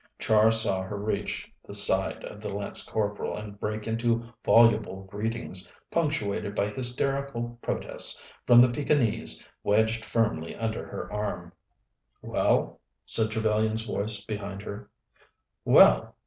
Char saw her reach the side of the Lance Corporal and break into voluble greetings, punctuated by hysterical protests from the Pekinese, wedged firmly under her arm. "Well?" said Trevellyan's voice behind her. "Well!